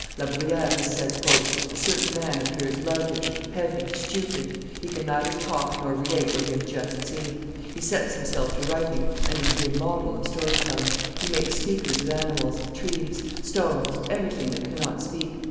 La Bruyere has said, "A certain man appears loutish, heavy, stupid; he can neither talk nor relate what he has just seen; he sets himself to writing, and it is a model of story telling; he makes speakers of animals, trees; stones, everything that cannot speak.